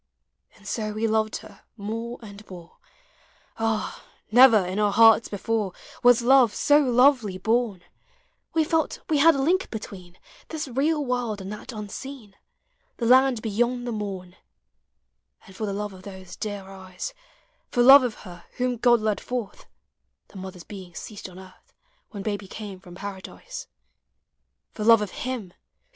And so we loved her more and more: Ah, never in our hearts before Was love so lovely born : We felt we had a link between This real world and that unseen— The land beyond the morn ; And for the love of those dear eyes, For love of her whom God led forth (The mother's being ceased on earth When Baby came from Paradise) — For love of Uim who